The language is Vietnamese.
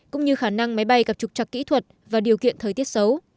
cũng như khả năng máy bay cập trục chặt kỹ thuật và điều kiện thời tiết xấu